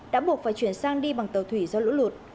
đã buộc phải chuyển sang đi bằng tàu thủy do lũ lụt